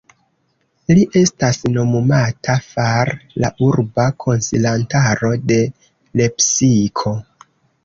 Li estas nomumata far la urba konsilantaro de Lepsiko.